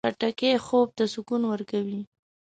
خټکی خوب ته سکون ورکوي.